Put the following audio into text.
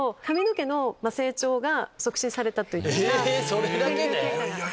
それだけで？